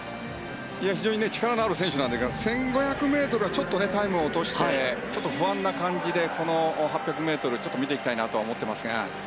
非常に力のある選手なんですが１５００ｍは、ちょっとタイムを落として不安な感じでこの８００ｍ見ていきたいなと思ってますが。